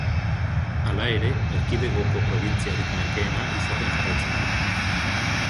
Hala ere, erkidegoko probintziarik merkeena izaten jarraitzen du.